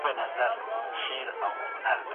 ایا لوی صادروونکي وچ زردالو ساتي؟